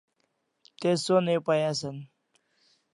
Te sonai pai asan